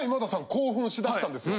興奮しだしたんですよ。